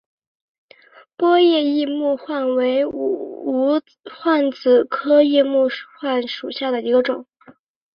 波叶异木患为无患子科异木患属下的一个种。